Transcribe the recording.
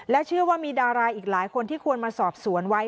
เชื่อว่ามีดาราอีกหลายคนที่ควรมาสอบสวนไว้